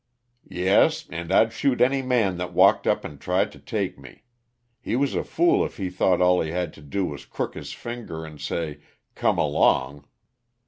"Yes, and I'd shoot any man that walked up and tried to take me. He was a fool if he thought all he had to do was crook his finger and say 'Come along.'